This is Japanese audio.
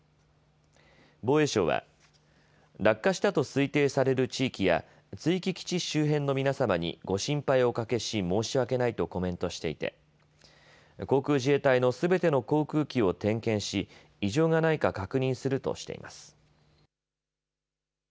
防衛省は落下したと推定される地域や築城基地周辺の皆様にご心配をおかけし申し訳ないとコメントしていて航空自衛隊のすべての航空機を点検し異常がないか確認するとしています。